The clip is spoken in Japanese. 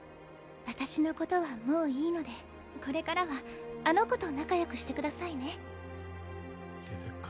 私のことはもういいのでこれからはあの子と仲よくしてくださいねレベッカ